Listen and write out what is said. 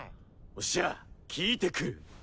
おっしゃ聞いてくる！